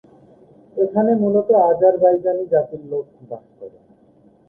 এখানে মূলত আজারবাইজানি জাতির লোক বাস করে।